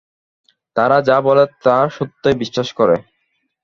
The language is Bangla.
তারা যা বলে তা সত্যই বিশ্বাস করে।